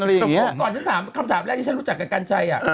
สมมุติก่อนฉันถามคำถามแรกที่ฉันรู้จักกับกัญชัย